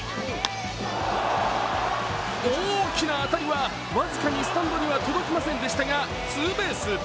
大きな当たりは僅かにスタンドには届きませんでしたがツーベース。